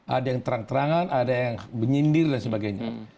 ada yang terang terangan ada yang menyindir dan sebagainya